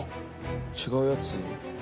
違うやつ？